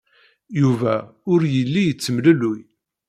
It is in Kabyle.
Yuba ur yelli yettemlelluy.